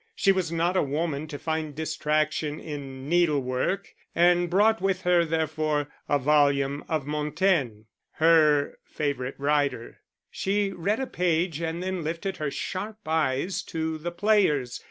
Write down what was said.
She was not a woman to find distraction in needlework, and brought with her, therefore, a volume of Montaigne, her favourite writer. She read a page and then lifted her sharp eyes to the players.